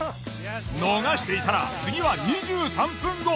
逃していたら次は２３分後。